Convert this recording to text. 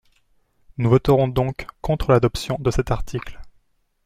Nous voterons donc contre l’adoption de cet article.